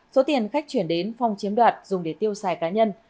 số tiền khách chuyển đến phong chiếm đoạt dùng để tiêu xài cá nhân